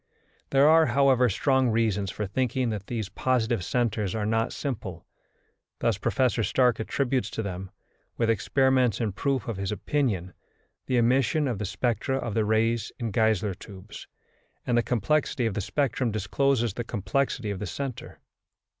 There are, however, strong reasons for thinking that these positive centres are not simple. Thus Professor Stark attributes to them, with experiments in proof of his opinion, the emission of the spectra of the rays in Geissler tubes, and the complexity of the spectrum discloses the complexity of the centre.